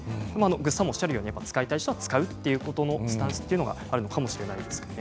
ぐっさんもおっしゃるように使いたい人は使うというスタンスでいいかもしれません。